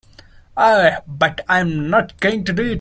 Ah, but I'm not going to do it.